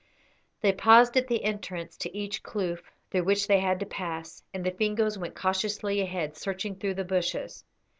They paused at the entrance to each kloof through which they had to pass, and the Fingoes went cautiously ahead searching through the bushes.